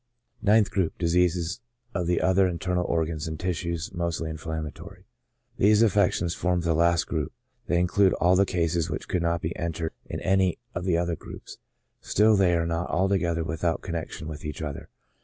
Ninth Group : Diseases of other Internal Organs and Tissues^ mostly Inflammatory. — These affections form the last group : they include all the cases which could not be enter ed in any of the other groups ; still they are not altoge ther without connection with each other.